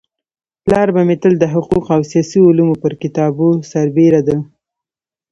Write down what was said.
پلار به مي تل د حقوقو او سياسي علومو پر كتابو سربيره د